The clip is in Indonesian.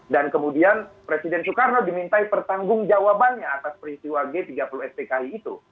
dan kemudian presiden soekarno diminta pertanggung jawabannya atas peristiwa g tiga puluh spki itu